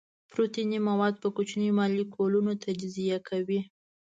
پروتیني مواد په کوچنیو مالیکولونو تجزیه کوي.